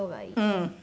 うん。